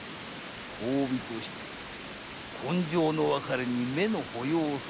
褒美として今生の別れに目の保養をさせてやろう。